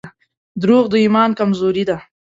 • دروغ د ایمان کمزوري ده.